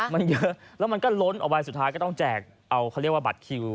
มันเยอะแล้วมันก็ล้นออกไปสุดท้ายก็ต้องแจกเอาเขาเรียกว่าบัตรคิว